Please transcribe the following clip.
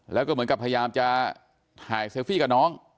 แล้วก็เหมือนกับพยายามจะถ่ายเซลฟี่กับน้อง